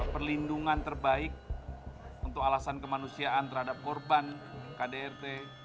perlindungan terbaik untuk alasan kemanusiaan terhadap korban kdrt